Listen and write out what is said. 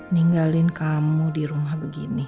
ninggalin kamu di rumah begini